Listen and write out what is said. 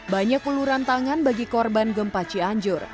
banyak uluran tangan bagi korban gempa cianjur